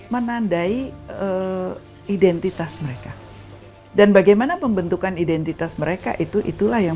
menandai identitas mereka dan bagaimana pembentukan identitas mereka itu itulah yang